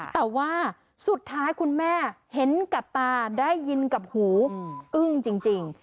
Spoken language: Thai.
แต่ว่าสุดท้ายคุณแม่เห็นกับตาได้ยินกับหูอึ้งจริง